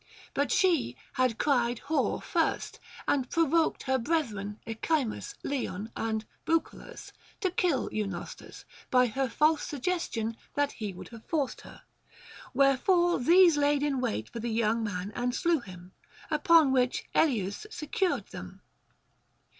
But she had cried Whore first and provoked her brethren, Echimus, Leon, and Bucolus, to kill Eunos tus, by her false suggestion that he would have forced her ; wherefore these laid wait for the young man and slew him, upon which Elieus secured them.